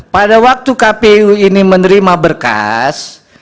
pada waktu kpu ini menerima berkas